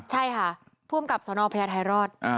ใช่ค่ะพ่วงกับสวนอพยาทายรอด